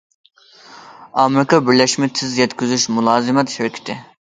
ئامېرىكا بىرلەشمە تېز يەتكۈزۈش مۇلازىمەت شىركىتى.